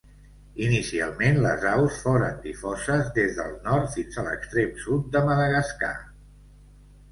Inicialment les aus foren difoses, des del nord fins a l'extrem sud de Madagascar.